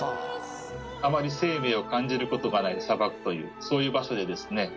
あまり生命を感じることがない砂漠というそういう場所でですね